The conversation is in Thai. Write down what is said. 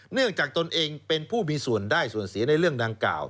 จากตนเองเป็นผู้มีส่วนได้ส่วนเสียในเรื่องดังกล่าว